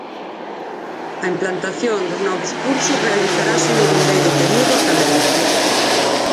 A implantación dos novos cursos realizarase no vindeiro período académico.